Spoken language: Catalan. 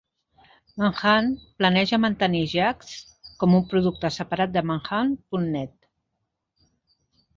Manhunt planeja mantenir Jack'd com un producte separat de Manhunt punt net.